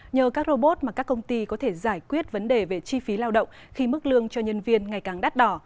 nhờ các robot mà các công ty có thể giải quyết vấn đề về chi phí lao động khi mức lương cho nhân viên ngày càng đắt đỏ